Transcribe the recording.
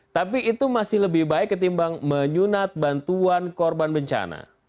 tapi itu masih lebih baik ketimbang menyunat bantuan korban bencana